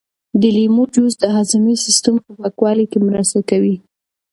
د لیمو جوس د هاضمې سیسټم په پاکولو کې مرسته کوي.